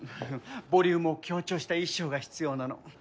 ボリュームを強調した衣装が必要なの。